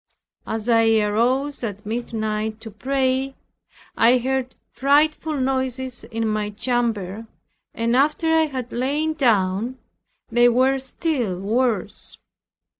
As I arose at midnight to pray, I heard frightful noises in my chamber and after I had lain down they were still worse.